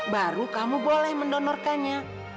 baru kamu boleh mendonorkannya